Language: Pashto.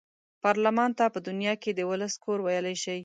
پارلمان ته په دنیا کې د ولس کور ویلای شي.